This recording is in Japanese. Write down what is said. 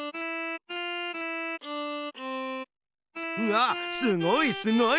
うわっすごいすごい！